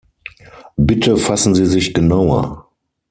Bitte fassen Sie sich genauer.